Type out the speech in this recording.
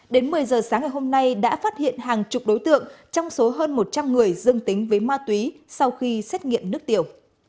đến một mươi giờ sáng ngày hôm nay đã phát hiện hàng chục đối tượng trong số hơn một trăm linh người dương tính với ma túy sau khi xét nghiệm nước tiểu